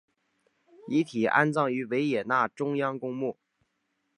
遗体安葬于维也纳中央公墓。